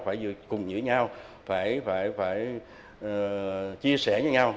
phải cùng nhữ nhau phải chia sẻ với nhau